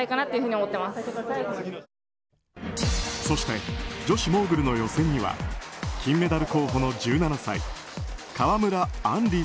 そして女子モーグルの予選には金メダル候補の１７歳川村あん